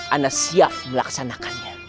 ana siap melaksanakannya